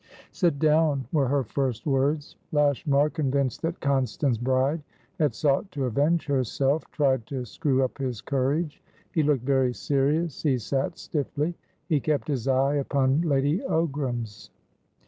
"Sit down," were her first words. Lashmar, convinced that Constance Bride had sought to avenge herself, tried to screw up his courage. He looked very serious; he sat stiffly; he kept his eye upon Lady Ogram's.